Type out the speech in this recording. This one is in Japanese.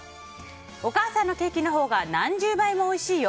お母さんのケーキのほうが何十倍もおいしいよ。